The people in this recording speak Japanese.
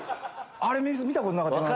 あれ見たことなかったな。